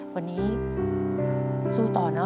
วันนี้สู้ต่อเนอ